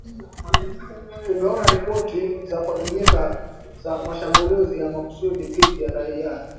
Tumeona ripoti za kuaminika za mashambulizi ya makusudi dhidi ya raia